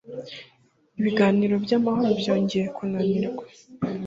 Ibiganiro by’amahoro byongeye kunanirwa